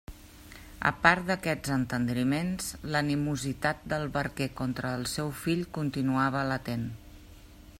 A part d'aquests entendriments, l'animositat del barquer contra el seu fill continuava latent.